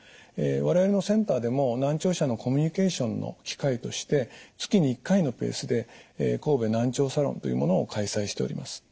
我々のセンターでも難聴者のコミュニケーションの機会として月に１回のペースで神戸難聴サロンというものを開催しております。